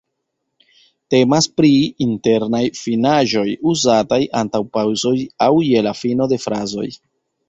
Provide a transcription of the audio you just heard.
Temas pri „internaj finaĵoj“, uzataj antaŭ paŭzoj aŭ je la fino de frazoj.